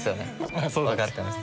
まそうだね分かってます